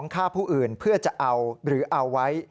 ฆ่าผู้อื่นเพื่อจะเอาหรือเอาไว้